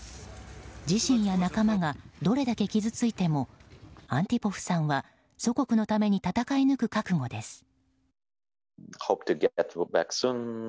自身や仲間がどれだけ傷ついてもアンティポフさんは祖国のために戦い抜く覚悟です。